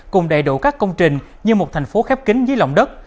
cùng đầy đủ các công trình như một thành phố khép kính dưới lòng đất